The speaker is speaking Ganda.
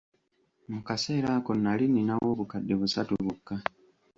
Mu kaseera ako nali ninawo obukadde busatu bwokka.